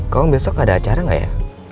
kamu besok ada acara nggak ya